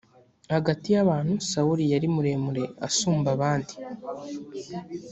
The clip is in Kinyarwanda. hagati y abantu sawuli yari muremure asumba abandi